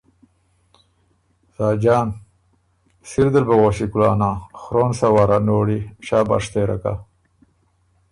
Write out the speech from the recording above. ساجان ـــ”سِر دل بُوغؤݭی کُلانا خرون سۀ وار ا نوړی، شاباش سېره کۀ“